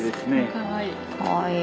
かわいい。